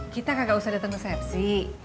kita gak usah datang resepsi